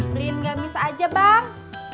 beliin gamis aja bang